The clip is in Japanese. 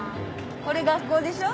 これ学校でしょ？